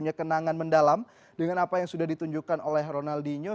yang paling penting adalah ronaldinho